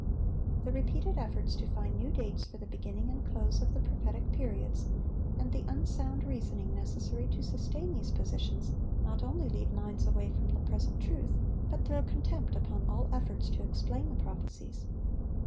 The repeated efforts to find new dates for the beginning and close of the prophetic periods, and the unsound reasoning necessary to sustain these positions, not only lead minds away from the present truth, but throw contempt upon all efforts to explain the prophecies.